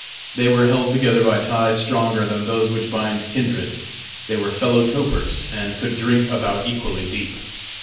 They were held together by ties stronger than those which bind kindred they were fellow topers, and could drink about equally deep.